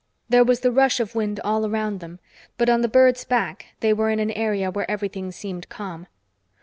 There was the rush of wind all around them, but on the bird's back they were in an area where everything seemed calm.